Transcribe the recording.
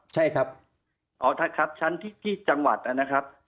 ใช่ครับอ๋อครับชั้นที่ที่จังหวัดน่ะนะครับ